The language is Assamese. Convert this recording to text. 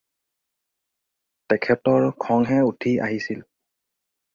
তেখেতৰ খংহে উঠি আহিছিল।